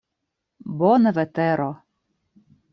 Bona vetero.